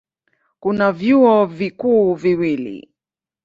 Kuna vyuo vikuu viwili.